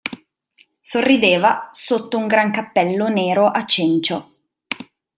Sorrideva sotto un gran cappello nero a cencio.